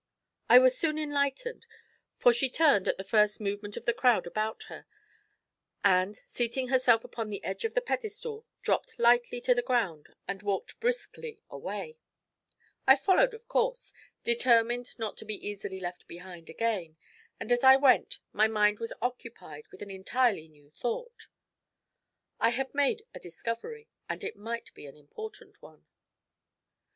I was soon enlightened, for she turned at the first movement of the crowd about her, and, seating herself upon the edge of the pedestal, dropped lightly to the ground and walked briskly away. I followed, of course, determined not to be easily left behind again; and as I went, my mind was occupied with an entirely new thought. I had made a discovery, and it might be an important one.